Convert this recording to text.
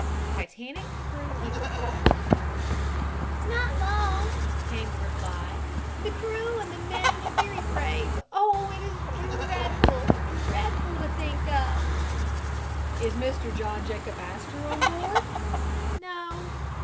TITANIC CREW HEROES "Not long," came the reply? "The crew and the men were very brave. Oh, it is dreadful dreadful to think of!" "Is Mr. John Jacob Astor on board?" "No."